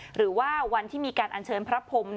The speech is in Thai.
หรือว่าวันที่มีการอัญเชิญพระพรม